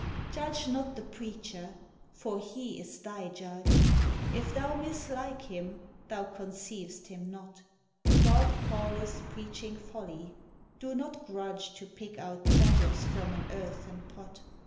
Judge not the preacher; for he is thy judge: If thou mislike him, thou conceiv'st him not. God calleth preaching folly. Do not grudge To pick out treasures from an earthen pot.